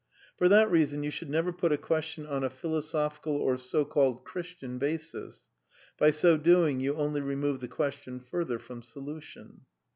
For that reason you should never put a question on a philosophical or so called Christian basis; by so doing you only remove the question further from solution."